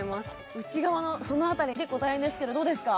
内側のその辺り結構大変ですけどどうですか？